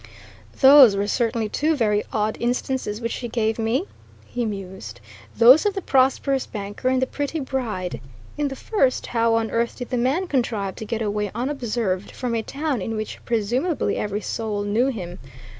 "Those were certainly two very odd instances which she gave me," he mused, "those of the prosperous banker and the pretty bride. In the first, how on earth did the man contrive to get away unobserved from a town in which, presumably, every soul knew him?